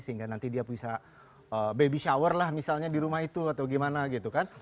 sehingga nanti dia bisa baby shower lah misalnya di rumah itu atau gimana gitu kan